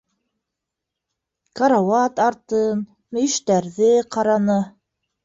Карауат артын, мөйөштәрҙе ҡараны.